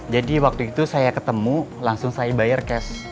jadi waktu itu saya ketemu langsung saya bayar cash